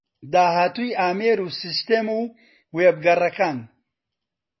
داهاتووی ئامێر و سیستەم و وێبگەڕەکان